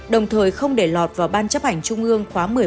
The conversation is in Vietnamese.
đồng thời không để lọt vào ban chấp hành trung ương khóa một mươi bốn